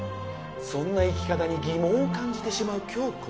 そんな生き方に疑問を感じてしまう今日この頃。